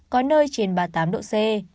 có nơi trên ba mươi tám độ c